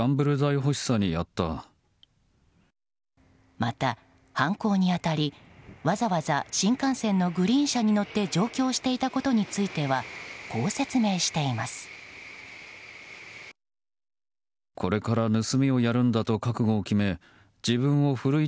また、犯行に当たりわざわざ新幹線のグリーン車に乗って上京していたことについてはこう説明しています。